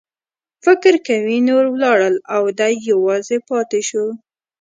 فکر کوي نور ولاړل او دی یوازې پاتې شو.